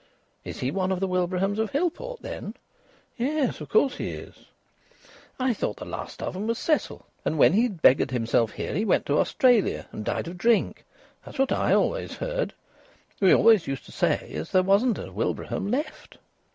"Is he one of the Wilbrahams of Hillport, then?" "Yes, of course he is." "I thought the last of 'em was Cecil, and when he'd beggared himself here he went to Australia and died of drink. That's what I always heard. We always used to say as there wasn't a Wilbraham left."